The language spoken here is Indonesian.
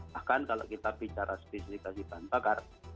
bahkan kalau kita bicara spesifikasi bahan bakar